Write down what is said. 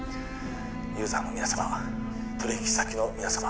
ユーザーの皆様取引先の皆様